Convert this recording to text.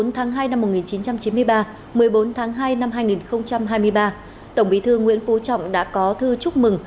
một mươi tháng hai năm một nghìn chín trăm chín mươi ba một mươi bốn tháng hai năm hai nghìn hai mươi ba tổng bí thư nguyễn phú trọng đã có thư chúc mừng